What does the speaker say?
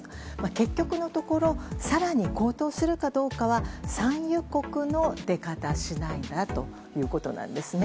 結局のところ更に高騰するかどうかは産油国の出方次第だということです。